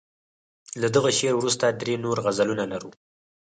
له دغه شعر وروسته درې نور غزلونه لرو.